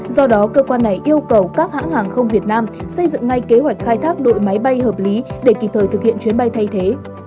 do đó cơ quan này yêu cầu các hãng hàng không việt nam xây dựng ngay kế hoạch khai thác đội máy bay hợp lý để kịp thời thực hiện chuyến bay thay thế